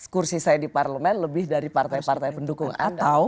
kursi saya di parlemen lebih dari partai partai pendukung